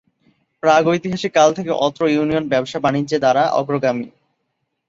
প্রাগ ঐতিহাসিক কাল থেকে অত্র ইউনিয়ন ব্যবসা-বাণিজ্যে দ্বারা অগ্রগামী।